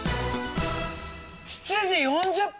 ７時４０分！